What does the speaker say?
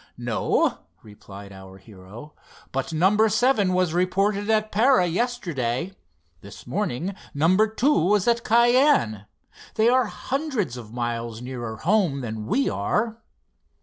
"No," replied our hero; "but number seven was reported at Para yesterday. This morning number two was at Cayenne. They are hundreds of miles nearer home than we are."